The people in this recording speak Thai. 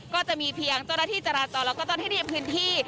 ก็จะมีเพียงเจ้าหน้าที่จราจรแล้วก็เทคนียมพื้นที่